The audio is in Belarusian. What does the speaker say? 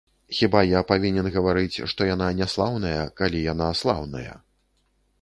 Хіба я павінен гаварыць, што яна няслаўная, калі яна слаўная.